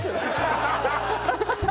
ハハハハ！